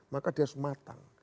maka dia harus matang